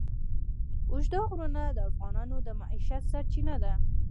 اوږده غرونه د افغانانو د معیشت سرچینه ده.